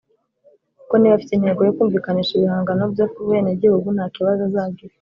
kuko niba afite intego yo kumvikanisha ibihangano bye ku benegihugu nta kibazo azagira,